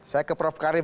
saya ke prof karim